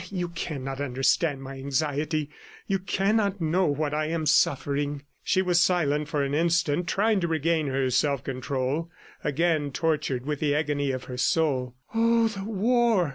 You cannot understand my anxiety, you cannot know what I am suffering." She was silent for an instant, trying to regain her self control, again tortured with the agony of her soul. "Oh, the war!"